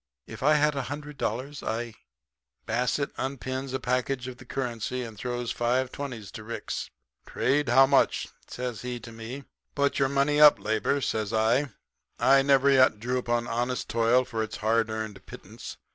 If I had a hundred dollars I ' "Basset unpins a package of the currency and throws five twenties to Ricks. "'Trade, how much?' he says to me. "'Put your money up, Labor,' says I. 'I never yet drew upon honest toil for its hard earned pittance.